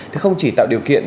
thì không chỉ tạo điều kiện